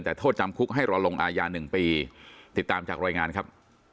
แต่โทษจำคุกให้รอลงอายา๑ปีติดตามจากรายงานครับ